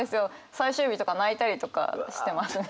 最終日とか泣いたりとかしてますね結構。